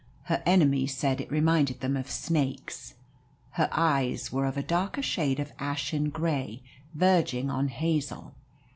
Her enemies said it reminded them of snakes. Her eyes were of a darker shade of ashen grey, verging on hazel.